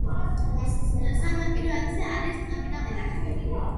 სანაპიროებზე არის ტყეები და ვენახები.